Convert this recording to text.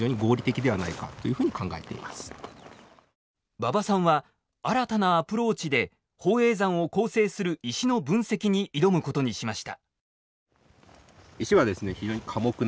馬場さんは新たなアプローチで宝永山を構成する石の分析に挑むことにしました。